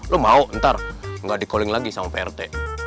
lo mau ntar nggak dikalling lagi sama prt